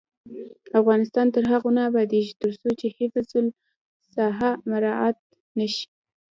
افغانستان تر هغو نه ابادیږي، ترڅو حفظ الصحه مراعت نشي.